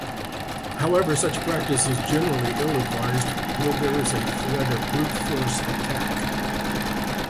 However, such practice is generally ill-advised when there is a threat of brute-force attack.